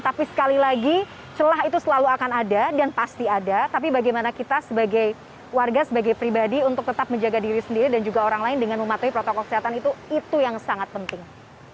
tapi sekali lagi celah itu selalu akan ada dan pasti ada tapi bagaimana kita sebagai warga sebagai pribadi untuk tetap menjaga diri sendiri dan juga orang lain dengan mematuhi protokol kesehatan itu itu yang sangat penting